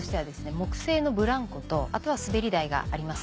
木製のブランコとあとはすべり台があります。